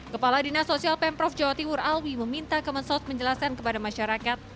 kepala dinas sosial pemprov jawa timur alwi meminta kemensos menjelaskan kepada masyarakat